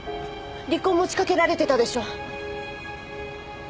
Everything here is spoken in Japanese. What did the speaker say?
離婚持ちかけられてたでしょ。